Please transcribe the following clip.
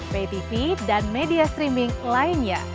btv dan media streaming lainnya